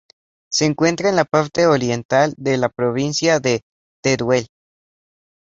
Se encuentra en la parte oriental de la provincia de Teruel.